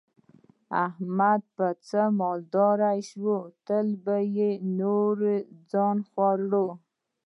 احمد به په څه مالدار شي، تل په نورو ځان خوري.